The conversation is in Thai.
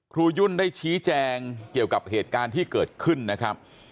ยุ่นได้ชี้แจงเกี่ยวกับเหตุการณ์ที่เกิดขึ้นนะครับ